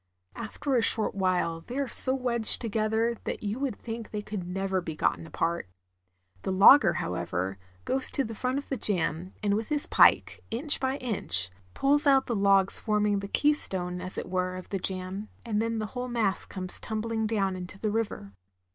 After a short while they are so wedged together that you would think they could never be gotten apart. The logger, however, goes to the front of the jam, and with his pike, inch by inch, pulls out the logs forming the keystone, as it were, of the jam, and then the whole mass comes tumbHng down into the river.